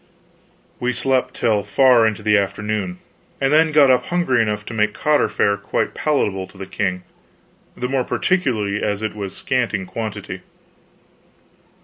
We slept till far into the afternoon, and then got up hungry enough to make cotter fare quite palatable to the king, the more particularly as it was scant in quantity.